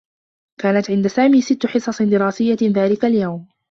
كانت عند سامي ستّ حصص دراسيّة ذلك اليوم.